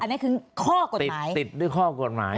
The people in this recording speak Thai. อันนี้คือข้อกฎหมายติดด้วยข้อกฎหมาย